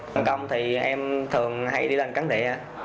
còn công thì em thường hay đi lên cắn địa